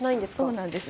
そうなんです。